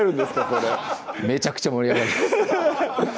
それめちゃくちゃ盛り上がります